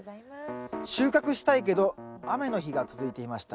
「収穫したいけど雨の日が続いていました。